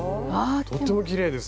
とってもきれいですね。